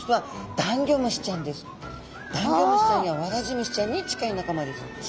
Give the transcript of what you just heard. ダンギョムシちゃんやワラジムシちゃんに近い仲間です。